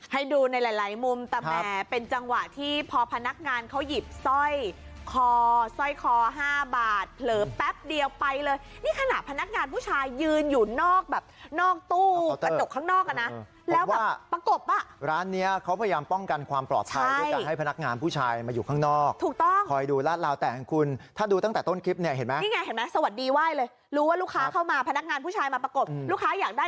ให้ดูในหลายมุมแต่แหมเป็นจังหวะที่พอพนักงานเขาหยิบซ่อยคอซ่อยคอ๕บาทเผลอแป๊บเดียวไปเลยนี่ขนาดพนักงานผู้ชายยืนอยู่นอกแบบนอกตู้ประจกข้างนอกนะแล้วแบบประกบอ่ะร้านนี้เขาพยายามป้องกันความปลอดภัยด้วยการให้พนักงานผู้ชายมาอยู่ข้างนอกถูกต้องคอยดูแล้วแต่คุณถ้าดูตั้งแต่ต้นคลิปเนี่ยเห็นไหมนี่